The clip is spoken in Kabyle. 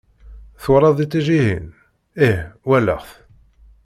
Twalaḍ iṭij-ihin? Ih walaɣ-t!